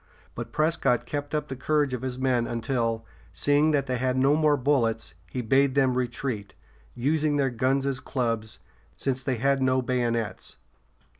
But Prescott kept up the courage of his men until, seeing that they had no more bullets, he bade them retreat, using their guns as clubs, since they had no bayonets.